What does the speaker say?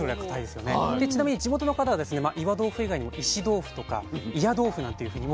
ちなみに地元の方は岩豆腐以外にも石豆腐とか祖谷豆腐なんていうふうにも。